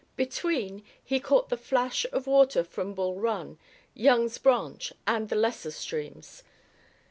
Between, he caught the flash of water from Bull Run, Young's Branch and the lesser streams.